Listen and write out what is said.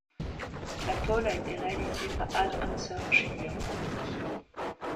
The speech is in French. La pole a été réalisée par Al Unser Jr.